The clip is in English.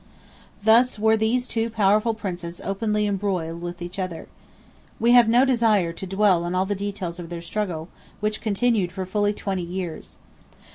Thus were these two powerful Princes openly embroiled with each other. We have no desire to dwell on all the details of their struggle, which continued for fully twenty years.